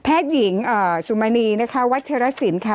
หญิงสุมณีนะคะวัชรสินค่ะ